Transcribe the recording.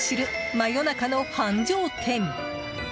真夜中の繁盛店！